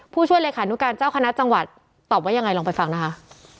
ผู้ช่วยเลขานุการเจ้าคณะจังหวัดตอบว่ายังไงลองไปฟังนะคะ